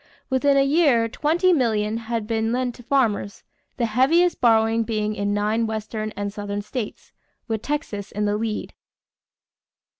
Within a year $20,000,000 had been lent to farmers, the heaviest borrowing being in nine Western and Southern states, with Texas in the lead.